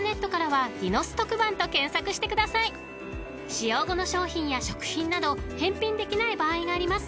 ［使用後の商品や食品など返品できない場合があります］